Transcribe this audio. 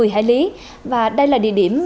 một mươi hải lý và đây là địa điểm